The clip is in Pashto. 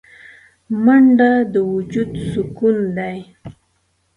منډه د وجود سکون دی